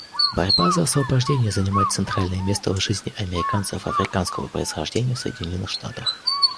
Борьба за освобождение занимает центральное место в жизни американцев африканского происхождения в Соединенных Штатах.